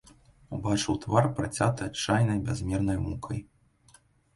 Убачыў твар, працяты адчайнай, бязмернай мукай.